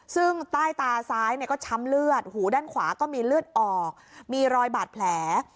ซึ่งใต้ตาซ้ายก็ช้ำเลือดหูด้านขวาก็มีเลือดออกมีรอยบาดแผล